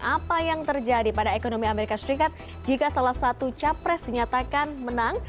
apa yang terjadi pada ekonomi amerika serikat jika salah satu capres dinyatakan menang